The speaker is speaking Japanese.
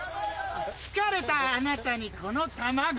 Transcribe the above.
疲れたあなたにこの卵